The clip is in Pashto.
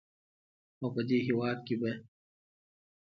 او په دې هېواد کې به